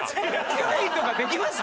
注意とかできます？